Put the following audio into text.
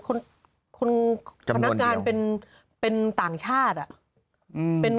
คนพนักงานเป็นต่างชาติอ่ะ